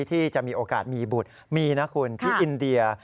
ที่จะมีโอกาสมีบุตรมีนะคุณที่อินเดีย